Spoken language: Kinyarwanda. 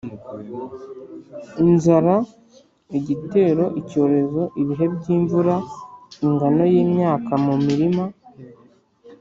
inzara, igitero, icyorezo, ibihe by’imvura, ingano y’imyaka mu mirima